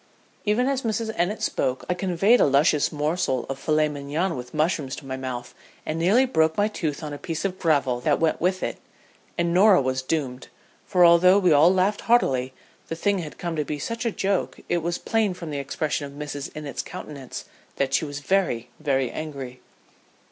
'" "Even as Mrs. Innitt spoke I conveyed a luscious morsel of filet mignon with mushrooms to my mouth and nearly broke my tooth on a piece of gravel that went with it, and Norah was doomed, for although we all laughed heartily, the thing had come to be such a joke, it was plain from the expression of Mrs. Innitt's countenance that she was very, very angry.